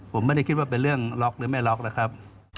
ผมไม่ได้คิดว่าเป็นเรื่องล็อกหรือไม่ล็อกนะครับ